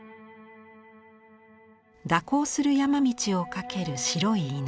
蛇行する山道を駆ける白い犬。